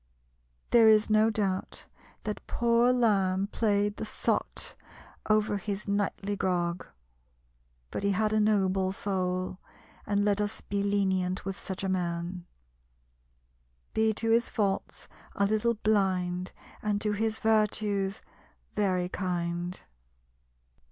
There is no doubt that poor Lamb played the sot over his nightly grog; but he had a noble soul, and let us be lenient with such a man "Be to his faults a little blind, And to his virtues very kind."